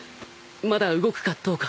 まだ動くかどうか。